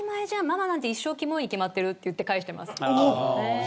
ママなんて一生キモいに決まってるって言って返してます。